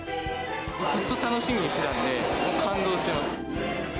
ずっと楽しみにしてたんで、感動してます。